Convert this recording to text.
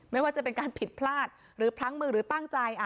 ไม่ว่าจะเป็นการผิดพลาดหรือพลั้งมือหรือตั้งใจ